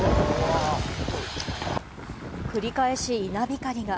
繰り返し稲光が。